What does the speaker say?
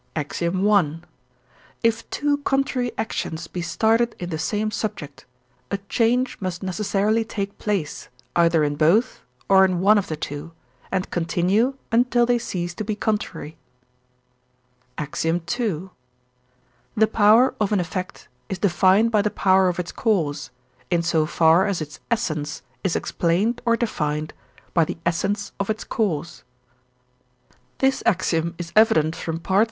I. If two contrary actions be started in the same subject, a change must necessarily take place, either in both, or in one of the two, and continue until they cease to be contrary. II. The power of an effect is defined by the power of its cause, in so far as its essence is explained or defined by the essence of its cause. (This axiom is evident from III. vii.)